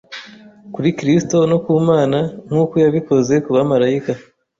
kuri Kristo no ku Mana nk’uko yabikoze ku bamarayika,